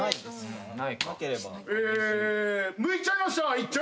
えむいちゃいました１丁！